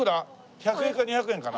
１００円か２００円かな？